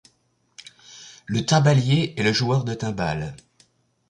Le timbalier est le joueur de timbales.